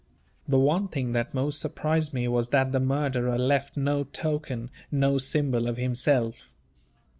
The one thing that most surprised me was that the murderer left no token, no symbol of himself.